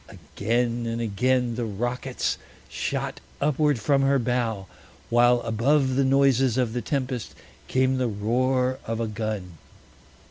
Again and again the rockets shot upward from her bow, while above the noises of the tempest came the roar of a gun.